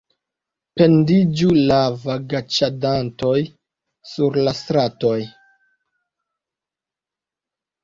Pendiĝu la vagaĉadantoj sur la stratoj!